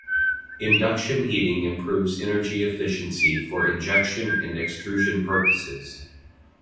Induction heating improves energy efficiency for injection and extrusion processes.